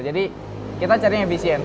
jadi kita cari yang efisien